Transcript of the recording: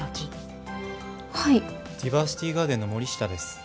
ディバーシティガーデンの森下です。